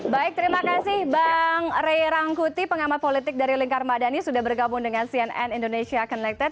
baik terima kasih bang ray rangkuti pengamat politik dari lingkar madani sudah bergabung dengan cnn indonesia connected